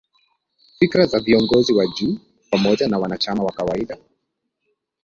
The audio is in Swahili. Fikra za viongozi wa juu pamoja na wanachama wa kawaida